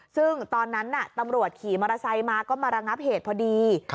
ซึ่งตอนนั้นตำรวจขี่มอเตอร์ไซค์มาก็มาระงับเหตุพอดี